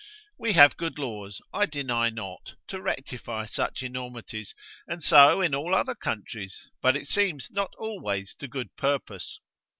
We have good laws, I deny not, to rectify such enormities, and so in all other countries, but it seems not always to good purpose.